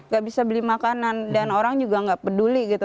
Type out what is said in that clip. gak bisa beli makanan dan orang juga nggak peduli gitu